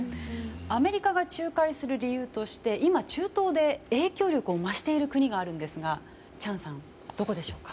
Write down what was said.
アメリカが仲介する理由として今、中東で影響力を増している国があるんですがチャンさん、どこでしょうか。